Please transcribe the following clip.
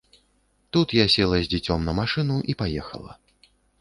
Тут я села з дзіцём на машыну і паехала.